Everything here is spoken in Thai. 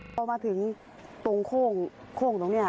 พอมาถึงตรงโค้งตรงนี้